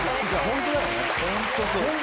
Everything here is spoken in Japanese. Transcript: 本当にそうです。